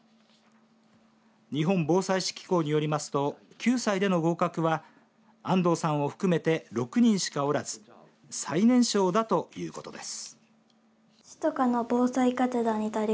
日本防災士機構によりますと９歳での合格は安藤さんを含めて６人しかおらず最年少だということです。